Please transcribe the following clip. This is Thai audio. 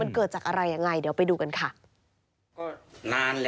มันเกิดจากอะไรยังไงเดี๋ยวไปดูกันค่ะ